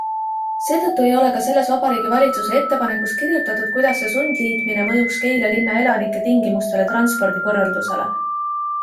Seetõttu ei ole ka selles vabariigi valitsuse ettepanekus kirjutatud, kuidas see sundliitmine mõjuks Keila linna elanike tingimustele, transpordikorraldusele.